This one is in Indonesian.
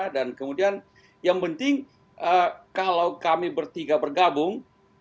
dan kemudian yang penting kalau kami bertiga bergabung